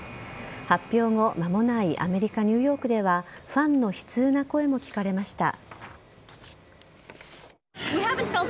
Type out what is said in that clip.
発表後まもないアメリカ・ニューヨークではファンの悲痛な声も聞かれました。